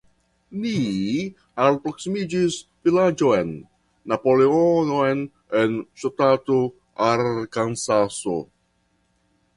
Ni alproksimiĝis vilaĝon Napoleonon en ŝtato Arkansaso.